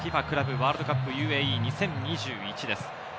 ＦＩＦＡクラブワールドカップＵＡＥ２０２１です。